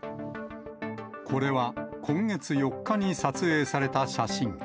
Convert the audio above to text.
これは今月４日に撮影された写真。